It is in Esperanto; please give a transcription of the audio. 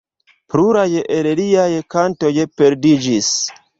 Pluraj el liaj kantoj perdiĝis.